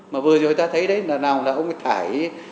mà vừa rồi ta thấy đấy là nào là ông thải